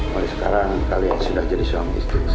mulai sekarang kalian sudah jadi suami istri selamat ya